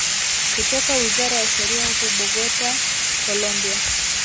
kutoka Wizara ya Sheria huko Bogota Colombia